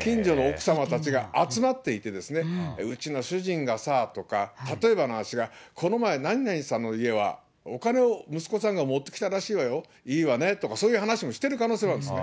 近所の奥様達が集まっていて、うちの主人がさあとかさ、例えばの話が、この前、何々さんの家はお金を息子さんが持ってきたらしいわよ、いいわねとか、そういう話をしている可能性もあるわけですね。